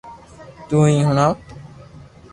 تو ھي ھڻاو